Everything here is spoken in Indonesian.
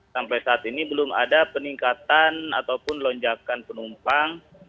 sampai saat ini belum ada peningkatan ataupun lonjakan penumpang